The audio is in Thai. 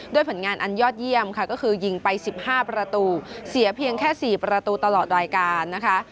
ผลงานอันยอดเยี่ยมค่ะก็คือยิงไป๑๕ประตูเสียเพียงแค่๔ประตูตลอดรายการนะคะ